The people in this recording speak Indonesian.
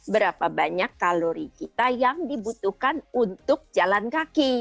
berapa banyak kalori kita yang dibutuhkan untuk jalan kaki